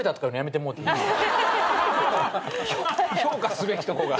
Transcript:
評価すべきとこが。